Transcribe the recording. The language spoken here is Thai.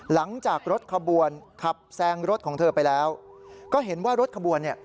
หลังจากรถขบวนขับแซงรถของเธอไปแล้วก็เห็นว่ารถขบวนเนี่ย